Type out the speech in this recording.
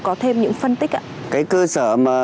có thêm những phân tích ấy ạ cái cơ sở mà